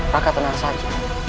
raka tenang saja